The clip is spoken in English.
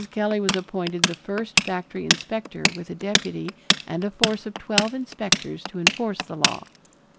Kelley was appointed the first factory inspector with a deputy and a force of twelve inspectors to enforce the law.